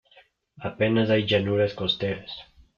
Apenas hay llanuras costeras.